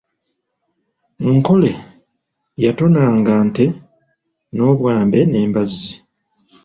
Nkole yatonanga nte n'obwambe n'embazzi.